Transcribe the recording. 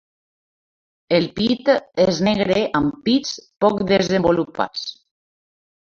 El pit és negre amb pits poc desenvolupats.